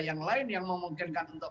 yang lain yang memungkinkan untuk